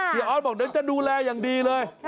ออสบอกเดี๋ยวจะดูแลอย่างดีเลย